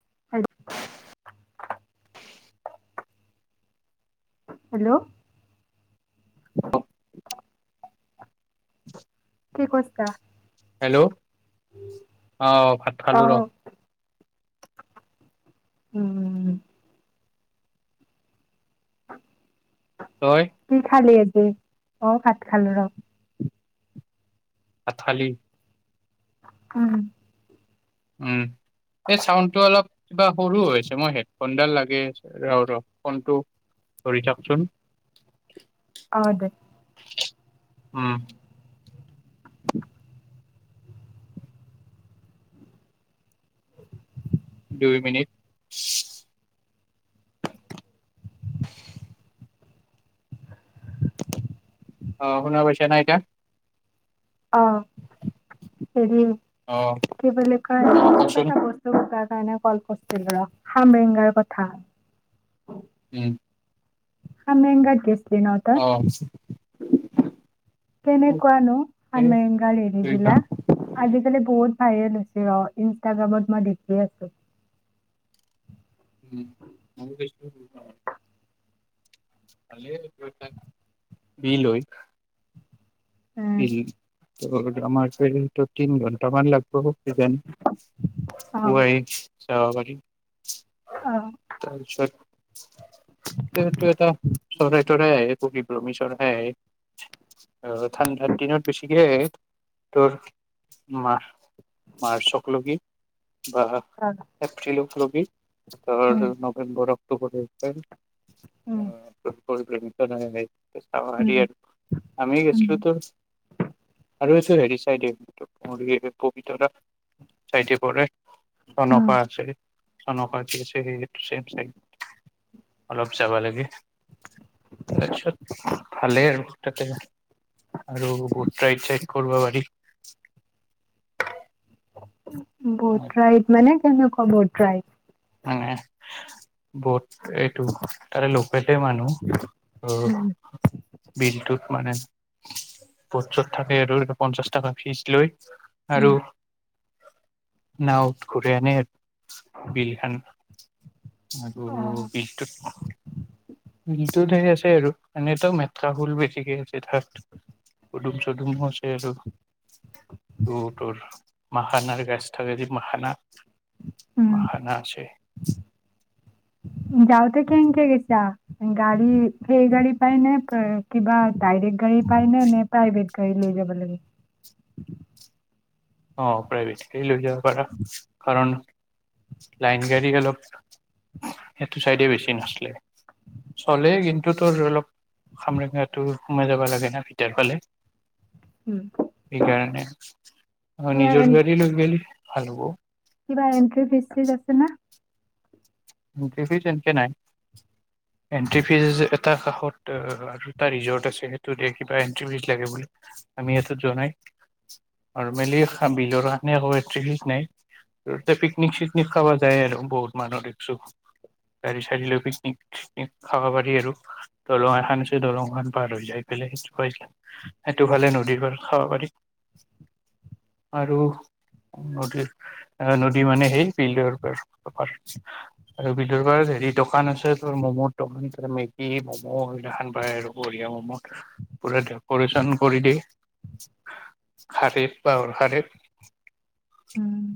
[unintelligible] Hello [unintelligible] কি কৈছা? Hello অহ ভাত খালো ৰ। অ', উম তই [unintelligible] কি খালি? অ মই ভাত খালো ৰ। ভাত খালি? উম উম এই চাউণ্ড টো অলপ কিবা সৰু হৈছে মই হেডফোনডাল লাগে আৰু ফোনটো ধৰি থাকচোন। অ দে। উম। দুই মিনিট। অ শুনা পাইছা না এতিয়া? অহ হেৰি অ কি বুলি কয় অ মোক কচোন এটা বস্তু কাৰণে কল কৰিছিল ৰ খামৰেংগাৰ কথা। উম খামৰেংগাত গেছ অহ। কেনেকুৱানো খামৰেংগাৰ হেৰিবিলাক আজিকাল বহুত হাই লোচি অ ইনষ্টাগ্ৰামত মই দেখি আছো। উম। [inaudible] [unintelligible] বি লৈ উম, বিল আ আমাৰ এক্সৰিমেনটো তিন ঘণ্টামান লাগব। চিকেন, অ', ওৱে চা, অ বাকী অ', তাৰপিছত সেটো এটা, চৰাই তৰাই আহে পৰিভ্ৰমী চৰাই আহে। অহ ঠাণ্ডাত দিনত বেছিকে আহে, তোৰ মা-মাৰচকলগি। বা অ', এপ্ৰিলগ কি? আৰু উম, নবেম্বৰত দুপৰীয়া একটাইম উম, আহ [unintelligible] আহে আৰু উম, আজিয়ে, আমি উম, গেছিলো তোৰ, আৰু হৈছে হেৰি চাইদে, মোৰ এই পবিতৰা চাইদে পৰে উম, চনকা আছে। চনকা তিনচিৰি চেম চাইদ, অলপ যাবা লাগে। তাৰপিছত ভালেই আৰু তাতে আৰু গ ট্ৰাইক চাইক কৰবা পাৰি। বট ৰাইদ মানে? কেনেকুৱা বট ৰাইদ? মানে, বহুত এইটো তাৰে লোকেলে মানুহ, অ উম, বিলটোত মানে, স্পৰ্টছত থাকে আৰু ইতো পঞ্চাশ টাকা ফিচ লৈ। উম। আৰু নাওঁত ঘুৰাই আনে বিল [unintelligible] [inaudible] আৰু অ'। বিলটোত বিলটো হে আছে আৰু। এনেতো মেথকা ফুল বেছিকে আছে তাত পুদুম চদুমো আছে আৰু, ত তোৰ মাখানাৰ গাছ থাকে য মাখানা উম, মাখানা আছে। যাওঁতে কেনকে গৈছা গাড়ী সেই গাড়ী পাই নে কিবা ডাইৰেক্ট গাড়ী পায় নে নে প্ৰাইভেট গাড়ী লৈ যাব লাগে। অ প্ৰাইভেট লৈ যাব পাৰা কাৰণ লাইন গাড়ী অলপ হেইটো চাইডে বেছি নছলে চলে কিন্তু তোৰ অলপ খামৰেঙা সোমাই যাব লাগে ন ভিতৰ ফালে। উম, সেই কাৰণে। অ কিবা এ নিজৰ গাড়ী লৈ গ। ভাল হ'ব। কিবা এন্ট্ৰি ফিজ চিজ আছে না? এণ্টি ফিজ এনেকে নাই এণ্টি ফিজ এটা কাষত আৰু এটা ৰিজৰ্ট আছে সেইটো দ কিবা এণ্টি ফিজ লাগে বুলে আমি সেইটো জনাই আৰু মেলি বিলৰনে এটি ফিজ নাই আৰু পিকনিক চিকনিক খাব যায় আৰু বহুত মানুহ। গাড়ী চাৰি লৈ পিকনিক চিকনিক খাব পাৰি আৰু দলং এখন আছে দলংখন পাৰ হৈ যায় পাই সেইটো সেইটোফালে নদীৰ পাৰ খাব পাৰি আৰু নদীৰ নদী মানে সেই বিল্ডৰ পৰা পাৰ। আৰু ভিদৰাৰ হেৰি দোকান আছে ত ম'ম' দোকান ত মেগী ম'ম' এইদিনাখান বায় আৰু বঢ়িয়া ম'ম' পুৰা ডক'ৰেচন কৰি দিয়ে খাৰফ বাহৰ খাৰিফ। উম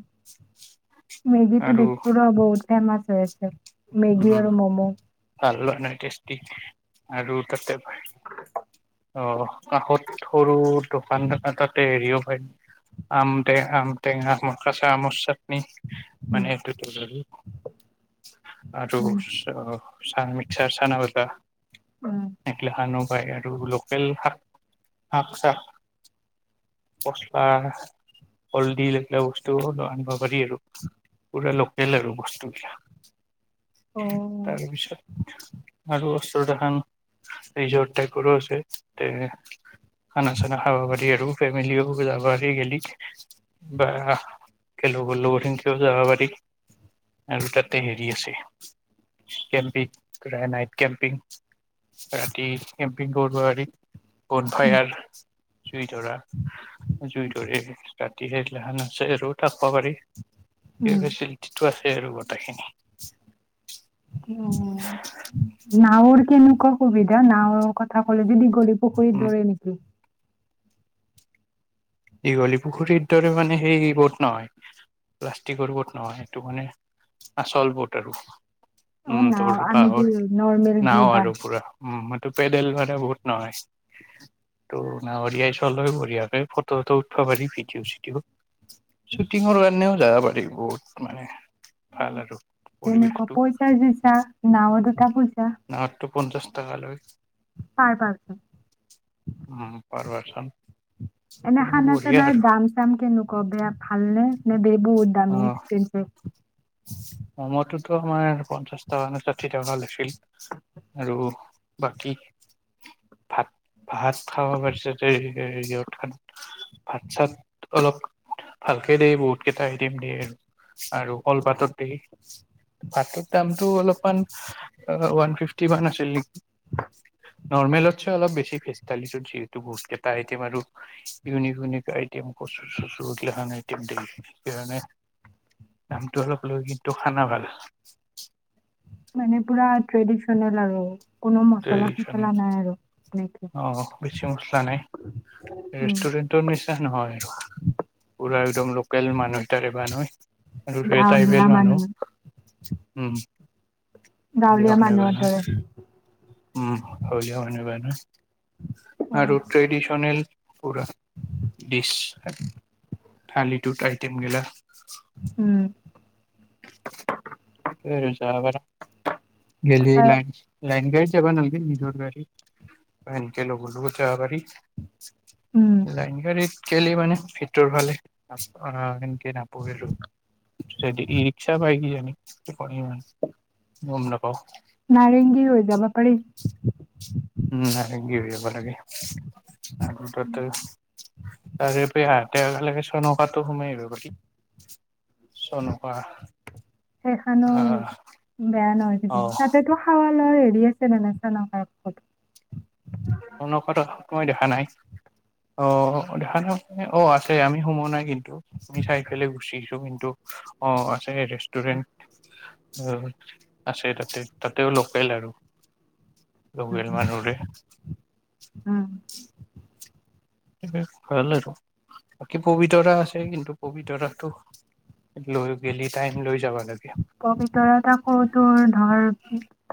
মেগীটো আৰু দিছো ৰ বহুত। টাইম আছে। মেগী উম আৰু ম'ম' ভাল লগা নাই টেষ্টি। আৰু তাতে। অ কাষত সৰু। দোকান দ তাতে এৰিও? আমটেং আম টেঙা আমাৰ কেঁচা আমৰ চাটনি। উম, মানেটো আৰু উম, আহ। মিক্সাৰ চানা ভাজা। উম। একলা হন ও। হয় আৰু লগ। লোকেল শাক শাক চাক পচলা কলদিল এইবিলাক বস্তু আনিব পাৰি আৰু পুৰা লোকেল আৰু বস্তুবিলাক। অ', তাৰপিছত। আৰু ওচৰত এখন ৰিজৰ্ট টাইপৰো আছে খানা চানা খাব পাৰি আৰু ফেমিলিও যাব পাৰি গেলি বা লগৰ হেনকেও যাব পাৰি আৰু তাতে হেৰি আছে। কেম্পিং নাইট কেম্পিং ৰাতি কেম্পিং কৰোৱ পাৰি। গন উম, ফায়াৰ। জুই ধৰা জুই ধৰি ৰাতি সেই আছে আৰু থাকব পাৰি। সেই উম, ফেচিলিটিটো আছ সেই আৰু গোটেইখিনি। উম নাৱৰ খিনি। সুবিধা নাৱৰ কথা ক'লে যে দীঘলী পুখুৰীৰ উম দৰে নেকি। দীঘলী পুখুৰীৰ দৰে মানে সেই বোৰ্ট নহয় প্লাষ্টিকৰ বট নহয় সেইটো মানে আচল বট আৰু। অ', উম নাও তোৰ আমি যে বাহৰ নৰ্মেল যি নাও বা আৰু পোৰা। উম এইটো পেডেল মাৰা বত নহয় এটো নাৱৰীয়াই চলাই বঢ়িয়াকে ফ ত ত উঠ পা পাৰি ভিডিঅ চিদিও। শ্বুটিঙৰ কাৰণেও যাব পাৰি বহুত মানে। ভাল আৰু কেনেকুৱা পৰিৱেশটো পইচা [unintelligible] নাওত উঠা পইচা পঞ্চাছ টকা লয়। পাৰ পাৰ্চন উম [unintelligible] [inaudible] এনে খানা বঢ়িয়া চানাৰ আৰু দাম চাম কেনেকুৱা বেয়া ভালনে? নে ব বহুত দামী এক্সপেঞ্চিভ। মম তুটটো আমাৰ পঞ্চাশ টাকা নে ষাঠি টাকা লৈছিল, আৰু বাকী ভাত ভাত খাব পাৰিছে তে ভাত চাত অলপ ভালকে দিয়ে বহুত কেইটা আইতেম দিয়ে আৰু কলপাতত দেই পাটত দামটো অলপমান ওৱান ফিফটি মান আছিল নেকি নৰ্মেলতছে অলপ বেছি ভেজ থালিত যিহেতু বহুত কেইটা আইটেম আৰু, ইউনিক ইউনিক আইটেম কচুৰ চচুৰ এইগিলাখান আইটেম দেই সেইকাৰণে। দামটো অলপ লয় কিন্তু খানা ভাল। মানে পোৰা ট্ৰেডিচনেল আৰু। কোনো মচলা চচলা ট্ৰেডিচনেল নাই আৰু এনেকে অ বেছি মছলা নাই উম ৰেষ্টুৰেণ্টৰ নিচিনা নহয় পোৰা একদম লোকেল মানুহ [unintelligible] আৰু টাইবেল মানুহ। উম। গাঁৱলীয়া মানুহ মানুহৰ বানাই দৰে। উম [unintelligible] আৰু ট্ৰেডিশনেল। পোৰা ডিছ [unintelligible] আইটেম গিলা। উম। [unintelligible] [unintelligible] নাই আ- লাইন গাড়ী যাবা নালাগে নিজৰ গাড়ী এনেকে লগৰ লগত যাব পাৰি। উম লাইনগাৰীত খেলি মানে ভিতৰ ফালে অ সেনেকে [unintelligible] আৰু [inaudible] ই ৰিক্সা পাই কিজানি। টোপনি নাই, গম নাপাও। নাৰেংগী হৈ যাব পাৰি। উম, নাৰেংগী হৈ যাব লাগে। আটতে [unintelligible] তাৰেপ হাতেকে চনকাতটো সোমাই আহিব পাৰি চনকা [unintelligible] সেই খানো আহ বেয়া নহয় অ কিজানি তাতে তো খাৱা। এৰি আছে মানে চাংলাং পাৰটো। অ ন কথা কমাই দিয়ক [unintelligible] কথা নাই। অ, দেখা অ আছে আমি সোমোৱা নাই কিন্তু আমি চাইফালে গুচিছো কিন্তু অ আ। ৰেষ্টুৰেণ্ট। অ, আছে তাতে তাতেও লোকেল আৰু। লবেল মানুহ ৰে [unintelligible] উম স ভাল আৰু বাকী পবিতৰা আছে কিন্তু পবিতৰাটো লৈ গেলি টাইম লৈ যাবা লাগে। ত ভিতৰত আকৌ তোৰ ধৰ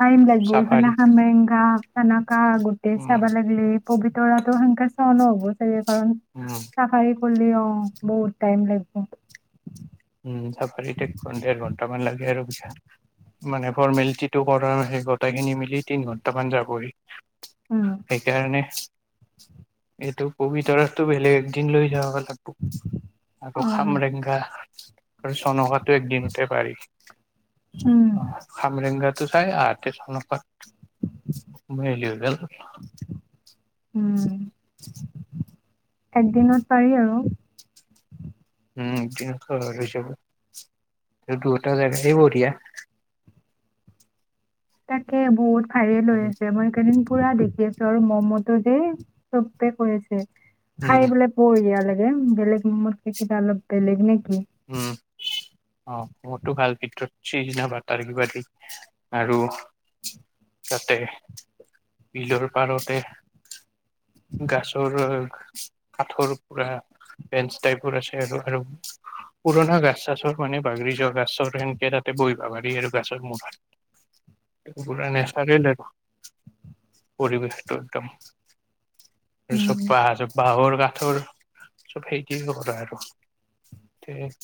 টাইম লাগিব ইফালে চাফাৰী হামেংগা চানাকা গোটেই উম চাব লাগিলে। ববীতৰাটো হেনো চ নো হ'ব চাগে কাৰণ উম চাফা হৈ কলি অ বহুত টাইম লাগিব। উ চাফাৰীত এক ডেৰ ঘন্টামান লাগে আৰু দিয়া মানে ফৰ্মেলিটিটো কৰা সেই গোটেইখিনি মিলি তিন ঘন্টামান যাবই উম সেইকাৰণে এইটো কবিতৰাটো বেলেগ একদিন লৈ যাব পাৰ্লা আকৌ অ আকৌ খামৰেংগা আৰু চনকাতটো একদিনতে পাৰি উম অ আমৰেংগাত চোচাই আৰ্টে চন পা মই লি গল উম একদিনত পাৰি আৰু উম তিনিশ যাব দুয়টা জেগাতে বঢ়িয়া। তাকে বহুত- ভাইৰেল হৈ উম আছে মই সেইকাৰণে- পুৰা দেখি আছো আৰু মম'তো যে চবে কৈ আছে। উম খাই বোলে বঢ়িয়া লাগে বেলেগ ম মতিব কিবা অলপ বেলেগ নেকি উম অহ মোটো ভাল ভিতৰত সিদিনা বাটাৰ কিবা দি আৰু তাতে বিলৰ পাৰতে গাছৰ কাঠৰ পুৰা বেঞ্চ টাইপৰ আছে আৰু পুৰণা গাছ চাছৰ মানে বাগৰি যোৱা গাছৰ সেনেকে তাতে বহিবা পাৰি আৰু গাছৰ মুঠাত পুৰা নেচাৰেল আৰু পৰিৱেশটো একদম উম চুপা চুপাহৰ কা পাথৰ চব সেইখিনি কৰা আৰু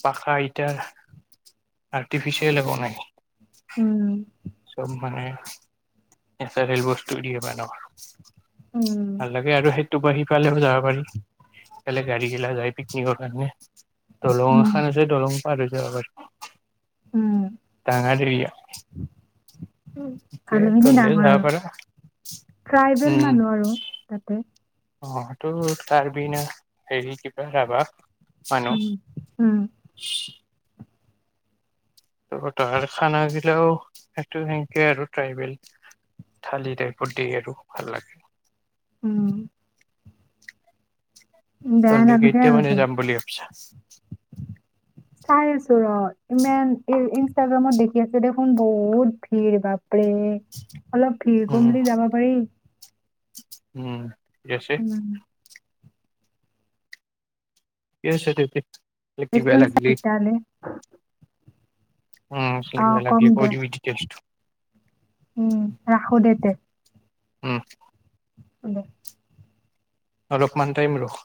পাখা ইটাৰ আৰ্টিফিচিয়েল বনাই। উম চব মানে এটা ৰেলোৱে ষ্টুডিঅ বনো উম ভাল লাগে আৰু সেই ইটোপা সিফালেও যাব পাৰি ইফালে গাড়ীগিলা যায় পিকনিকৰ কাৰণে দলং এখন উম আছে দলং পাৰ হৈ যাব পাৰি উম তঙা ধৰিয়া মানুহখিনি ডাঙৰ আৰু ট্ৰাইবেল উম মানুহ আৰু তাতে অ টো তাৰ বিনা হেৰি কিবা ৰাবা হয় ন উম উম তো তাহৰ খানাগিলাও সেইটো সেনেকে আৰু ট্ৰাইবেল থালি টাইপত দিয়ে আৰু ভাল লাগে উম বেয়া তহতে নালাগে কেতিয়া আৰু মানে চব যাম বুলি ভাবিছা অ চাই আছো ৰ ইমান ইনষ্টাগ্ৰামত দেখি আছে দেখোন বহুত ভিৰ বাপৰে অলপ ভিৰ উম কমিলে যাব পাৰি উম জেচে উম কি হৈছে ডিউটি নিশোন চাৰিতালে। উম চলি আগলি কৈ দিবি ডিটেইলছটো উম ৰাখো দে তেনে উম হব অলপমান টাইম ৰখ